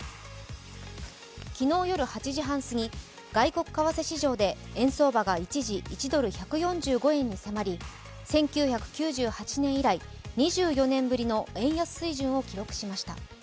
昨日夜８時半過ぎ外国為替市場で円相場が一時１ドル＝１４５円に迫り１９９８年以来２４年ぶりの円安水準を記録しました。